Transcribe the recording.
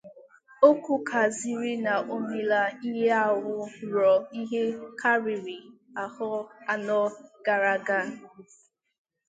O kwukwazịrị na o meela ihe ahụ ruo ihe karịrị ahọ anọ gara aga.